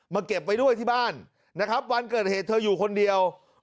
เก็บไว้ด้วยที่บ้านนะครับวันเกิดเหตุเธออยู่คนเดียว